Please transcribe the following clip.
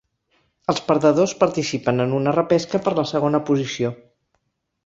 Els perdedors participen en una repesca per la segona posició.